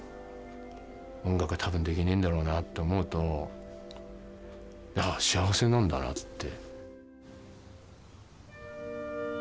音楽は多分できねえんだろうなって思うとああ幸せなんだなって。